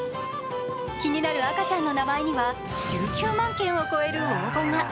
気になる赤ちゃんの名前には１９万件を超える応募が。